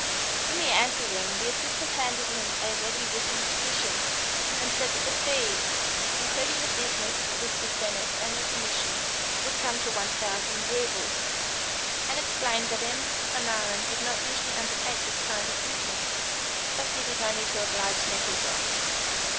In the ante room the assistant handed him a ready written petition, and said that the fees, including the business with the Senate and the commission, would come to 1,000 roubles, and explained that M. Fanarin did not usually undertake this kind of business, but did it only to oblige Nekhludoff.